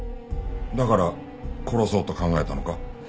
だから殺そうと考えたのか？